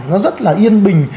nó rất là yên bình